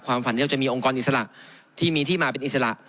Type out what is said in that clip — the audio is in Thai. ฝันที่เราจะมีองค์กรอิสระที่มีที่มาเป็นอิสระ